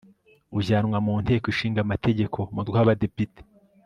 ujyanwa mu nteko ishinga amategeko umutwe w'abadepite